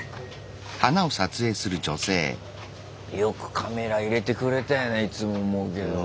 よくカメラ入れてくれたよねいつも思うけど。